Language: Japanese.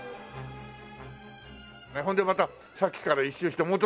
ほんでまたさっきから一周して元の所へ。